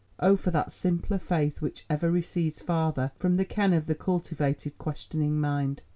Oh, for that simpler faith which ever recedes farther from the ken of the cultivated, questioning mind!